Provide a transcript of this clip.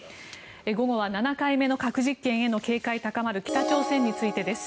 午後は７回目の核実験への警戒が高まる北朝鮮についてです。